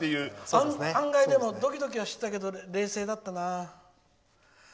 でも案外、ドキドキはしてたけど、冷静だったな。